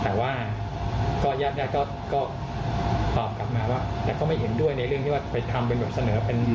แต่ว่าก็ญาติก็ตอบกลับมาว่าแต่ก็ไม่เห็นด้วยในเรื่องที่ว่าไปทำเป็นแบบเสนอเป็น